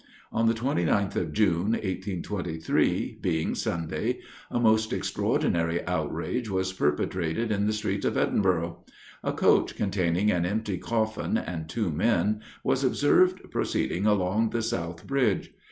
On the 29th of June, 1823, being Sunday, a most extraordinary outrage was perpetrated in the streets of Edinburgh. A coach containing an empty coffin and two men, was observed proceeding along the south bridge.